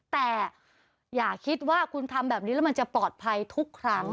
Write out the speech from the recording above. แต่อย่าคิดว่าคุณทำแบบนี้แล้วมันจะปลอดภัยทุกครั้ง